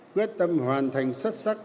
quyết tâm hoàn thành xuất sắc